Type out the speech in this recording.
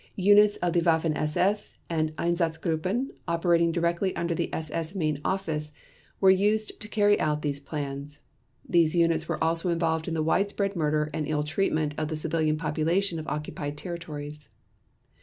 Units of the Waffen SS and Einsatzgruppen operating directly under the SS main office were used to carry out these plans. These units were also involved in the widespread murder and ill treatment of the civilian population of occupied territories.